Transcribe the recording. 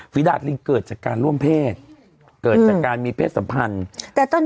ดาดลิงเกิดจากการร่วมเพศเกิดจากการมีเพศสัมพันธ์แต่ต้น